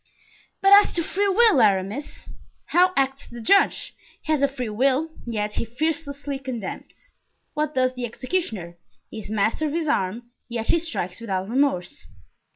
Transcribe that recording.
"But as to free will, Aramis?" "How acts the judge? He has a free will, yet he fearlessly condemns. What does the executioner? He is master of his arm, yet he strikes without remorse."